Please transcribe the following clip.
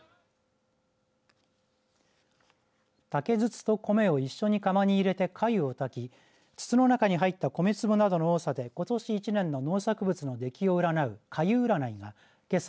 竹筒と米を一緒に釜に入れてかゆを炊き筒の中に入った米粒などの多さでことし１年の農作物の出来を占う粥占いがけさ